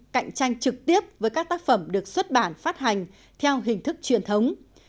cạnh tranh trực tiếp với các tác phẩm được xuất bản phát hành theo hình thức truyền thống